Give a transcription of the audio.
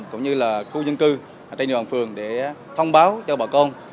cũng như là khu dân cư trên địa bàn phường để thông báo cho bà con